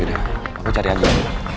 yaudah aku cari andi